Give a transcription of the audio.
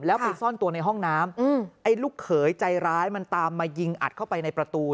แล้วไปซ่อนตัวในห้องน้ำไอ้ลูกเขยใจร้ายมันตามมายิงอัดเข้าไปในประตู